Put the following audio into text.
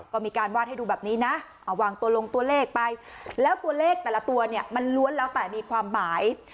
ก็มีการวาดให้ดูแบบนี้นะเอาวางตัวลงตัวเลขไปแล้วตัวเลขแต่ละตัวเนี่ยมันล้วนแล้วแต่มีความหมาย